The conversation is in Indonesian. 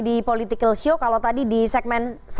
di political show kalau tadi di segmen